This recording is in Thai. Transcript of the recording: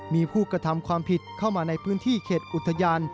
มีผู้กระทำความผิดเข้ามาในพื้นที่เขตอุทยาน